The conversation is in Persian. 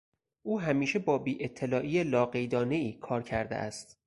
او همیشه با بیاطلاعی لاقیدانهای کار کرده است.